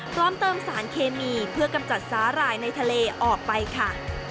พร้อมเติมสารเคมีเพื่อกำจัดสาหร่ายในทะเลออกไปค่ะ